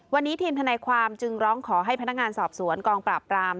วันนี้ทีมทนายความจึงร้องขอให้พนักงานสอบสวนกองปราบปราม